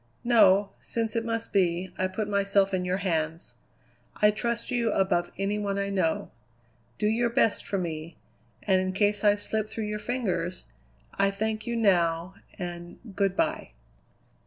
"No. Since it must be, I put myself in your hands. I trust you above any one I know. Do your best for me, and in case I slip through your fingers I thank you now, and good bye."